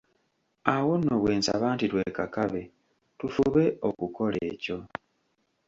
Awo nno bwe nsaba nti twekakabe, tufube okukola ekyo!